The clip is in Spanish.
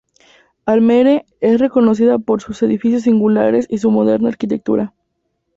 Almere es conocida por sus edificios singulares y su moderna arquitectura.